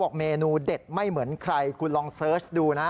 เมนูเด็ดไม่เหมือนใครคุณลองเสิร์ชดูนะ